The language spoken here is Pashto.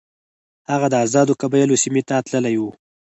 هغه د آزادو قبایلو سیمې ته تللی وو.